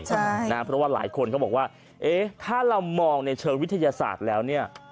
เพราะว่าหลายคนก็บอกว่าเอ๊ะถ้าเรามองในเชิงวิทยาศาสตร์แล้วเนี่ย